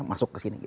masuk ke sini gitu